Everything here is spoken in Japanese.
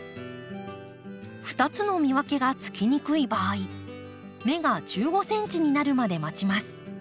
２つの見分けがつきにくい場合芽が１５ｃｍになるまで待ちます。